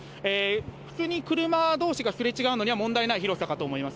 普通に車どおしがすれ違うのには問題ない広さかと思います。